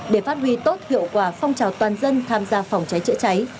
để phát huy tốt hiệu quả phong trào toàn dân tham gia phòng cháy chữa cháy